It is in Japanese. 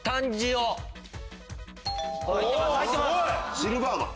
シルバーマン。